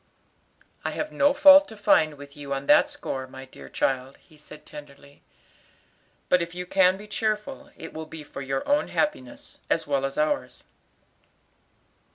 "I have no fault to find with you on that score, my dear child," he said tenderly, "but if you can be cheerful, it will be for your own happiness, as well as ours."